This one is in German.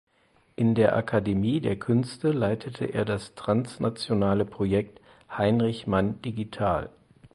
In der Akademie der Künste leitete er das transnationale Projekt „Heinrich Mann Digital“.